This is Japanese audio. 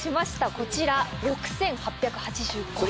こちら６８８５円。